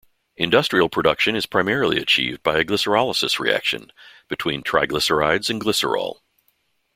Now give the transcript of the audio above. Industrial production is primarily achieved by a glycerolysis reaction between triglycerides and glycerol.